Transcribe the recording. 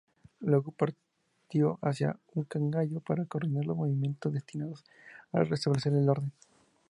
Luego partió hacia Huancayo, para coordinar los movimientos destinados a restablecer el orden.